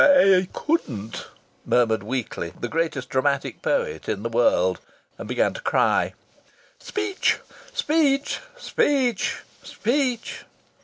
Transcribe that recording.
"I c couldn't," murmured weakly the greatest dramatic poet in the world, and began to cry. "Speech! Speech! Speech! Speech!"